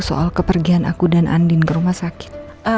soal kepergian aku dan andin ke rumah sakit